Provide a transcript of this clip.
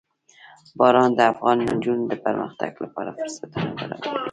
باران د افغان نجونو د پرمختګ لپاره فرصتونه برابروي.